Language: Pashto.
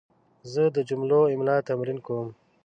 زه د جملو املا تمرین کوم.